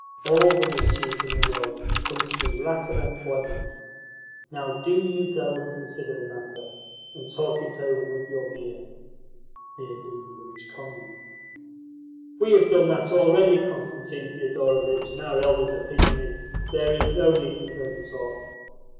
All the mischief in the world comes through lack of employment. Now, do you go and consider the matter, and talk it over with your mir ." "We have done that already, Constantine Thedorovitch, and our elders' opinion is: 'There is no need for further talk.